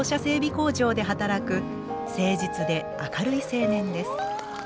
工場で働く誠実で明るい青年です。